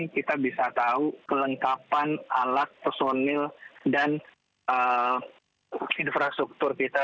kita bisa tahu kelengkapan alat personil dan infrastruktur kita